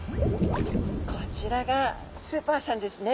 こちらがスーパーさんですね。